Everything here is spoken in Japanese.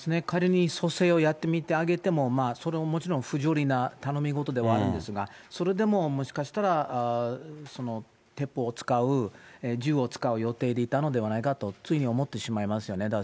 仮に蘇生をやってみてあげても、それももちろん不条理な頼みごとでもあるんですが、それでももしかしたら、鉄砲を使う、銃を使う予定ではないかと、つい思ってしまいますよね。